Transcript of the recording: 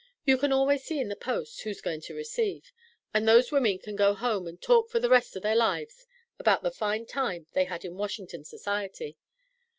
You can always see in the Post who's goin' to receive; and those women can go home and talk fur the rest of their lives about the fine time they had in Washington society.